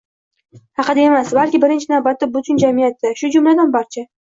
haqida emas, balki birinchi navbatda butun jamiyatda, shu jumladan, barcha